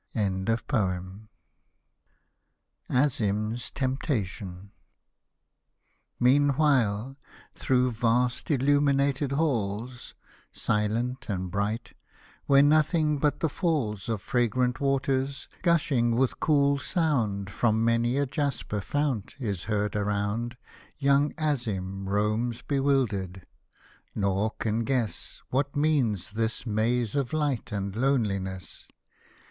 Hosted by Google LALLA ROOKH AZIM'S TEMPTATION Meanwhile, through vast illuminated halls, Silent and bright, where nothing but the falls Of fragrant waters, gushing with cool sound From many a jasper fount, is heard around, Young AziM roams bewildered, — nor can guess What means this maze of light and loneliness.